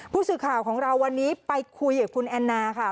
ผู้สื่อข่าวของเราวันนี้ไปคุยกับคุณแอนนาค่ะ